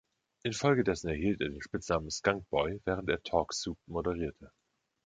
Infolgedessen erhielt er den Spitznamen „Skunk Boy“, während er „Talk Soup“ moderierte.